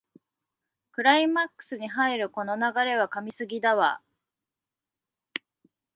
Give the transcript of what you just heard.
クライマックスに入るこの流れは神すぎだわ